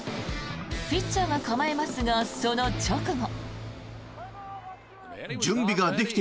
ピッチャーが構えますがその直後。